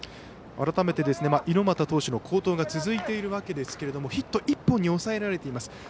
改めて、猪俣投手の好投が続いているわけですがヒット１本に抑えられています。